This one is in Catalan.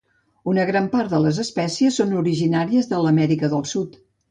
Una gran part de les espècies són originàries de l'Amèrica del Sud.